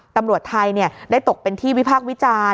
ตำรวจไทยได้ตกเป็นที่วิพากษ์วิจารณ์